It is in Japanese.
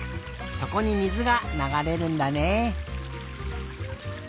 そこに水がながれるんだね。